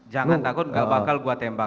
jangan takut gak bakal buat tembak